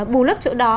bù lấp chỗ đó